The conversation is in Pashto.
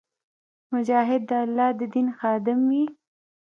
مجاهد د الله د دین خادم وي.